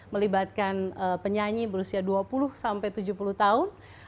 melibatkan penyanyi berusia dua puluh sampai tujuh puluh tahun